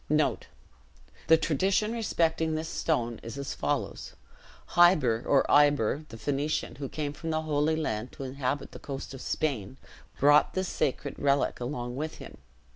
The tradition respecting this stone is as follows: Hiber, or Iber, the Phoenician, who came from the Holy Land to inhabit the coast of Spain, brought this sacred relic along with him.